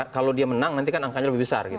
kalau dia menang nanti kan angkanya lebih besar